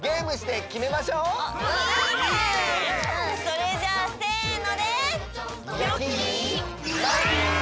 それじゃあ「せの」で！